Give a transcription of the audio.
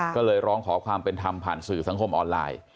ก็เลยร้องขอความเป็นธรรมผ่านสื่อสังคมออนไลน์